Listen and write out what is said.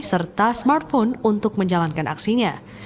serta smartphone untuk menjalankan aksinya